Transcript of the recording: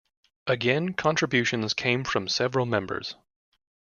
Again contributions came from several members.